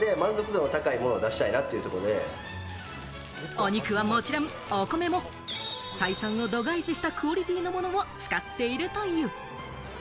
お肉はもちろん、お米も採算を度外視したクオリティーのものを使っているという。